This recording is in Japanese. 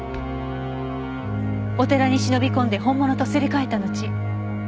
お寺に忍び込んで本物とすり替えたのち。